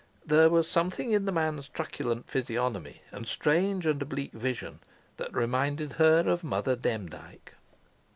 There was something in the man's truculent physiognomy, and strange and oblique vision, that reminded her of Mother Demdike.